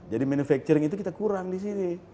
jadi manufacturing itu kita kurang di sini